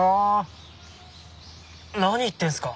何言ってんすか。